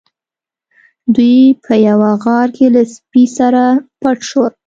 دوی په یوه غار کې له سپي سره پټ شول.